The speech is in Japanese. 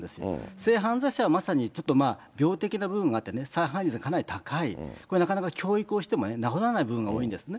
性犯罪者はまさにちょっとまあ、病的な部分があってね、再犯率がかなり高い、これはなかなか教育をしても治らない部分が多いんですね。